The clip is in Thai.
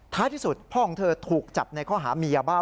ที่สุดพ่อของเธอถูกจับในข้อหามียาบ้า